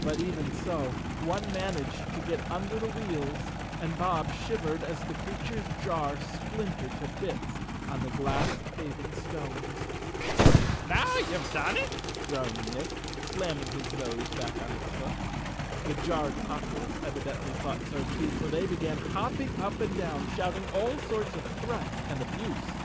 But even so, one managed to get under the wheels and Bob shivered as the crea¬ ture's jar splintered to bits on the glass paving stones. "Now you've done it," groaned Nick, slamming his 207 The Cowardly Lion of Oz _ nose back on its hook. The jarred populace evidently thought so too, for they began hopping up and down, shouting all sorts of threats and abuse.